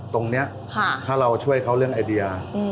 ตรงนี้ถ้าเราช่วยเขาเรื่องไอเดีย